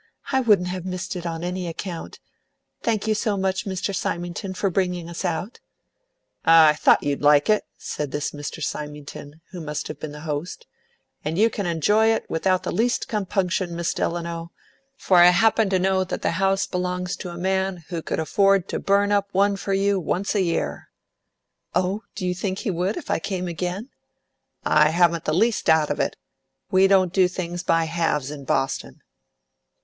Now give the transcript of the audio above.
"I wouldn't have missed it on any account. Thank you so much, Mr. Symington, for bringing us out!" "Ah, I thought you'd like it," said this Mr. Symington, who must have been the host; "and you can enjoy it without the least compunction, Miss Delano, for I happen to know that the house belongs to a man who could afford to burn one up for you once a year." "Oh, do you think he would, if I came again?" "I haven't the least doubt of it. We don't do things by halves in Boston."